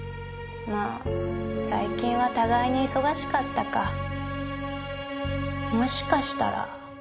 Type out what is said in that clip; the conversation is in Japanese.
まあ最近は互いに忙しかったかもしかしたら。